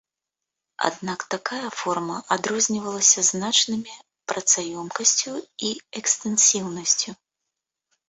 Аднак такая форма адрознівалася значнымі працаёмкасцю і экстэнсіўнасцю.